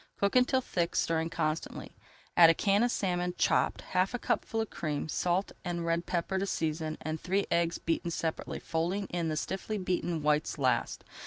Cook until thick, stirring constantly. Add a can of salmon, chopped, half a cupful of cream, salt and red pepper to season and three eggs beaten separately, folding in the stiffly beaten whites last.